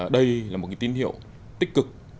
đây là một cái tin hiệu tích cực